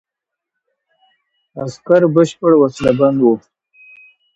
عسکر بشپړ وسله بند وو.